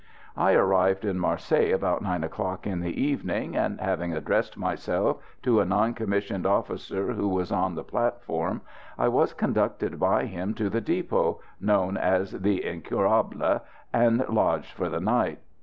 I arrived in Marseilles about nine o'clock in the evening, and having addressed myself to a non commissioned officer who was on the platform, I was conducted by him to the depot, known as the "Incurables," and lodged for the night.